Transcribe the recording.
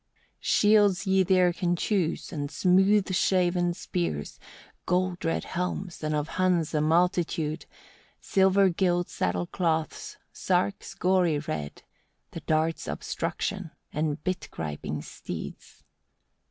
4. "Shields ye there can choose, and smooth shaven spears, gold red helms, and of Huns a multitude, silver gilt saddle cloths, sarks gory red, the dart's obstruction, and bit griping steeds.